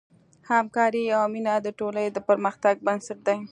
همکاري او مینه د ټولنې د پرمختګ بنسټ دی.